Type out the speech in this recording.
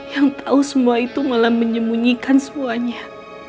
yang tau semua itu malah menyemunyikan semuanya